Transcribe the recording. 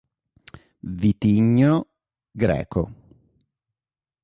Vitigno: Greco.